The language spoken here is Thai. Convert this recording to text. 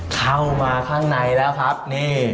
เข้ามาข้างในแล้วครับนี่